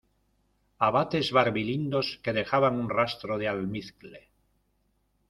abates barbilindos que dejaban un rastro de almizcle